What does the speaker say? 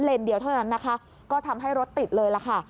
เดียวเท่านั้นนะคะก็ทำให้รถติดเลยล่ะค่ะ